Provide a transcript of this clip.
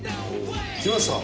きました。